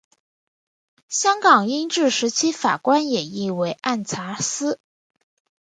香港英治时期法官也译为按察司。